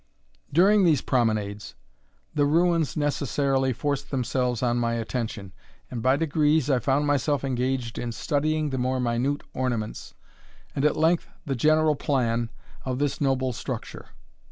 During these promenades, the ruins necessarily forced themselves on my attention, and, by degrees, I found myself engaged in studying the more minute ornaments, and at length the general plan, of this noble structure.